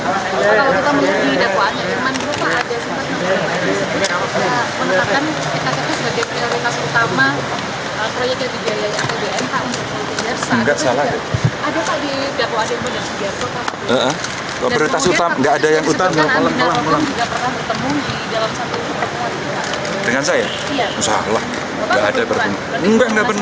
untuk saya kesaksian juga gitu salah dari data bukaan